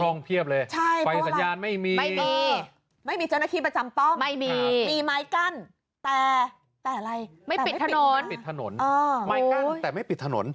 มีตรงเพียบเลยไฟสัญญาณไม่มีไม่มีเจ้าหน้าทีประจัมพ์ป้องมีไม้กั้นแต่อะไรไม้ปิดถนน